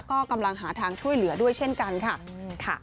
ก็กำลังหาทางช่วยเหลือด้วยเช่นกันค่ะ